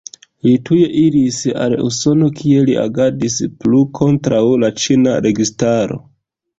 Li tuj iris al Usono, kie li agadas plu kontraŭ la ĉina registaro.